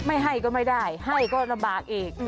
ไม่ให้ก็ไม่ได้ให้ก็ระบากเอง